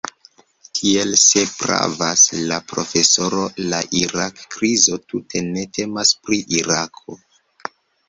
Tiel, se pravas la profesoro, la Irak-krizo tute ne temas pri Irako.